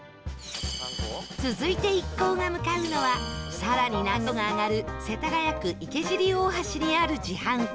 続いて一行が向かうのは更に難度が上がる世田谷区、池尻大橋にある自販機